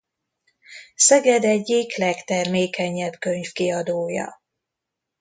Szeged egyik legtermékenyebb könyvkiadója.